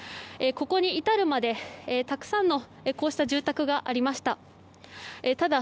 ここに至るまで、たくさんのこうした住宅がありました。